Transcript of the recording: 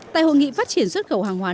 tại hội nghị phát triển xuất khẩu hàng hoán